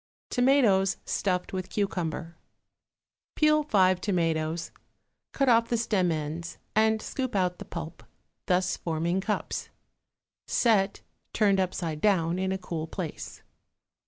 =Tomatoes Stuffed with Cucumber.= Peel five tomatoes, cut off the stem ends and scoop out the pulp, thus forming cups; set, turned upside down, in a cool place.